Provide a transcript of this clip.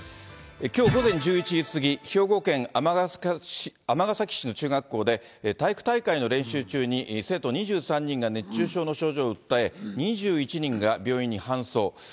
きょう午前１１時過ぎ、兵庫県尼崎市の中学校で、体育大会の練習中に生徒２３人が熱中症の症状を訴え、２１人が病院に搬送。